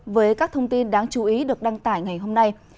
với các thông tin đáng chú ý được đăng tải ngày hôm nay